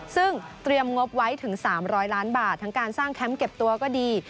ซึ่งเตรียมงบไว้ถึง๓๐๐ล้านบาททั้งการสร้างแคมป์เก็บตัวก็ดี